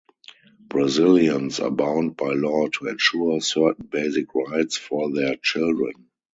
Brazilians are bound by law to ensure certain basic rights for their children.